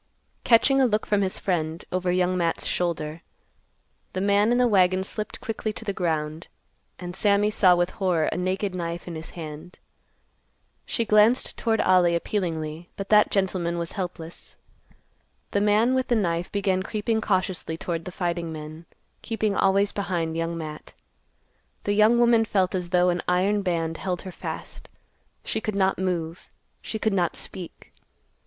Catching a look from his friend, over Young Matt's shoulder, the man in the wagon slipped quickly to the ground, and Sammy saw with horror a naked knife in his hand. She glanced toward Ollie appealingly, but that gentleman was helpless. The man with the knife began creeping cautiously toward the fighting men, keeping always behind Young Matt. The young woman felt as though an iron band held her fast. She could not move. She could not speak.